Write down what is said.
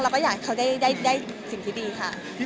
เราก็อยากให้เขาได้สิ่งที่ดีค่ะ